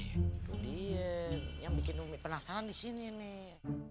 iya yang bikin umi penasaran disini nih